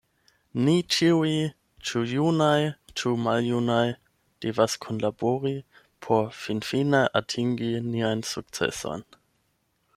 Ni ĉiuj, ĉu junaj ĉu maljunaj, devas kunlabori por finfine atingi niajn sukcesojn.